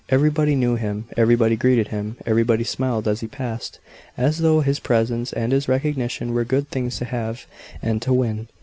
Everybody knew him, everybody greeted him, everybody smiled as he passed as though his presence and his recognition were good things to have and to win.